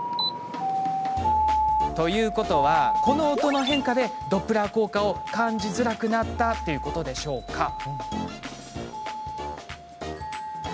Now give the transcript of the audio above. ということは、この音の変化でドップラー効果を感じづらくなったのでしょうか？